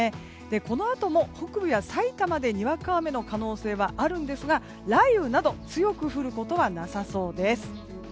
このあとも北部や、さいたまでにわか雨の可能性はあるんですが雷雨など強く降ることはなさそうです。